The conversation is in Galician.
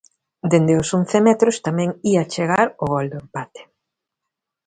Dende os once metros tamén ía chegar o gol do empate.